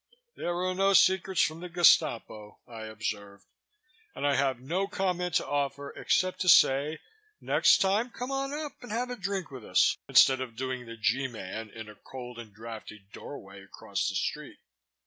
"There are no secrets from the Gestapo," I observed, "and I have no comment to offer except to say next time come on up and have a drink with us instead of doing the G Man in a cold and drafty doorway across the street."